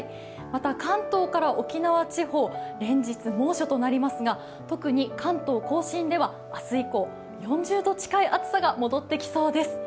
また、関東から沖縄地方、連日猛暑となりますが、特に関東甲信では明日以降４０度近い暑さが戻ってきそうです。